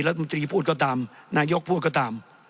รัฐมนตรีพูดก็ตามนายกพูดก็ตาม